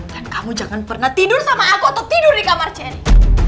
dan kamu jangan pernah tidur sama aku atau tidur di kamar cherry